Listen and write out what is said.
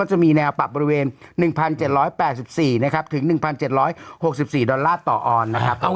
จะมีแนวปรับบริเวณ๑๗๘๔นะครับถึง๑๗๖๔ดอลลาร์ต่อออนด์นะครับ